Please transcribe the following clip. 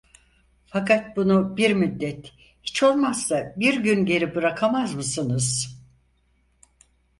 Fakat bunu bir müddet, hiç olmazsa bir gün geri bırakamaz mısınız?